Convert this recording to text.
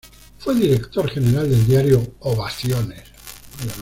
Fue director general del diario "Ovaciones".